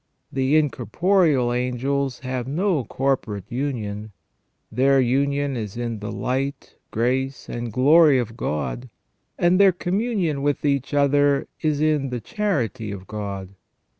The in corporeal angels have no corporate union ; their union is in the light, grace, and glory of God, and their communion with each other is in the charity of God.